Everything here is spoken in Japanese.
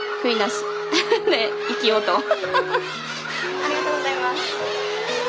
ありがとうございます。